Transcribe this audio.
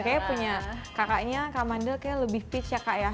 kayaknya punya kakaknya kak mandel kayaknya lebih peach ya kak ya